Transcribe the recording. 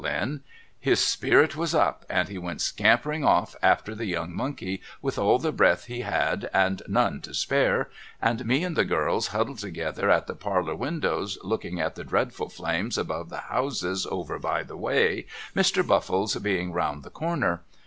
LIRRIPER'S LEGACY in — his spirit was up and he went scampering off after the young monkey with all the breath he had and none to spare, and me and the girls huddled together at the parlour windows looking at the dreadful flames above the houses over the way, Mr. Buffle's being round the corner.